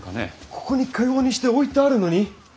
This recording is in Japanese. ここにかようにして置いてあるのに！？